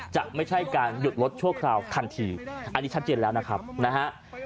จะไม่ใช่การหยุดรถชั่วคราวทันทีอันนี้ชัดเจนแล้วนะครับนะฮะ